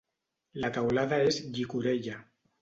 La teulada és llicorella.